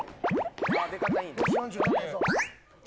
・出方いい。